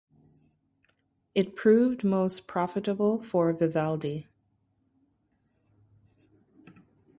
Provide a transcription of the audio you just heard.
It proved most profitable for Vivaldi.